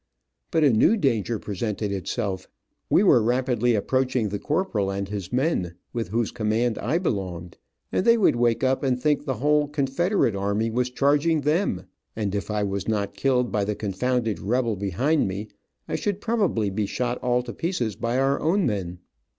But a new danger presented itself. We were rapidly approaching the corporal and his men, with whose command I belonged, and they would wake up and think the whole Confederate army was charging them, and if I was not killed by the confounded rebel behind me, I should probably be shot all to pieces by our own men.